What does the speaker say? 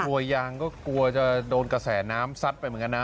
กลัวยางก็กลัวจะโดนกระแสน้ำซัดไปเหมือนกันนะ